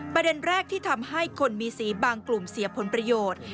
ประเด็นแรกที่ทำให้คนมีสีบางกลุ่มเสียผลประโยชน์